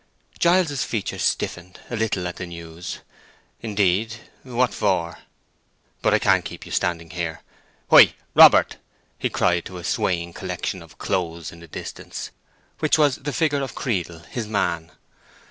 Giles's features stiffened a little at the news. "Indeed; what for? But I won't keep you standing here. Hoi, Robert!" he cried to a swaying collection of clothes in the distance, which was the figure of Creedle his man.